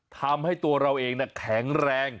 ทำให้ตัวเราเองแข็งแรง